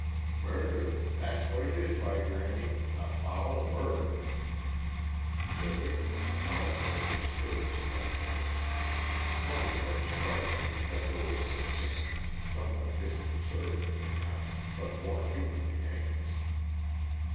"Murder that's what it is, by granny a foul murder!" The victim of the foul murder stirred slightly. Polycarp started and bent over her again, somewhat disconcerted, perhaps, but more humanly anxious.